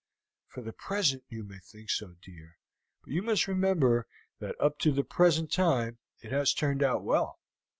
"For the present you may think so, dear; but you must remember that up to the present time it has turned out well.